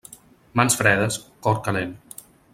Mans fredes, cor calent.